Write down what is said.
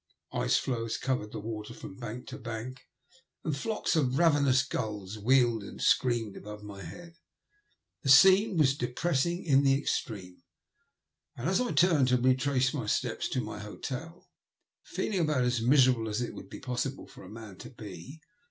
Ice floes covered the water from bank to bank, and flocks of ravenous gulls wheeled and screamed above my head. The scene was depressing in the extreme, and I turned to retrace 86 THE LUST OF HATE. my Btepa to my hotel, feeling about as miserable as it would be possible for a man to be.